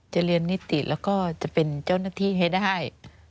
จะเรียนนิติแล้วก็จะเป็นเจ้าหน้าที่ให้ได้